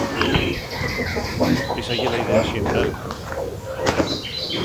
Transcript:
Esa ye la idea xeneral.